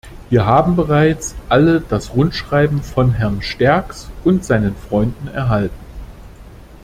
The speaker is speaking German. Wir haben bereits alle das Rundschreiben von Herrn Sterckx und seinen Freunden erhalten.